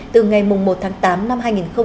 từ ngày một tháng tám năm hai nghìn hai mươi